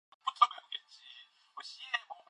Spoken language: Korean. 이젠 상관없어.